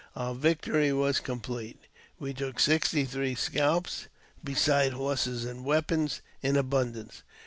Our victory was complete. We took sixty three scalps, besides horses an^ weapons in abundance.